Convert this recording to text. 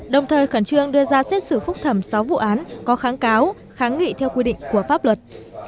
đồng thời khẩn trương đưa ra xét xử phúc thẩm sáu vụ án có kháng cáo kháng nghị theo quy định của pháp luật